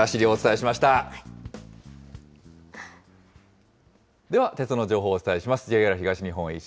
くらしりをおでは鉄道の情報をお伝えします。